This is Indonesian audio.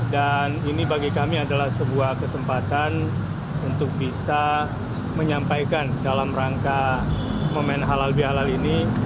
dan ini bagi kami adalah sebuah kesempatan untuk bisa menyampaikan dalam rangka momen halal bihalal ini